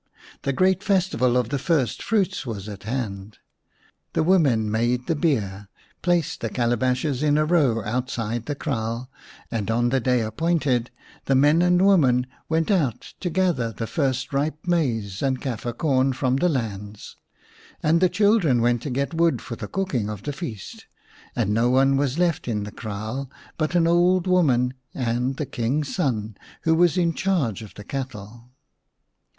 The great festival of the first fruits was at hand. The women made the beer, placed the calabashes in a row outside the kraal, and on the day appointed the men and women went out to gather the first ripe maize and Kafir corn from the lands, and the children went to get wood for the cooking of the feast, and no one was left in the kraal but an old woman and the King's son, who was in charge of the cattle.